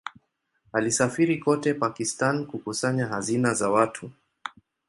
Alisafiri kote Pakistan kukusanya hazina za watu.